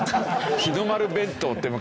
日の丸弁当って昔。